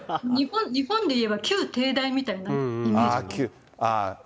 日本でいえば、旧帝大みたいなイメージ。